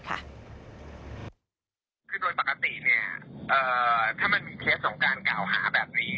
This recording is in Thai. คือโดยปกติถ้ามีเคสของการกล่าวหาแบบนี้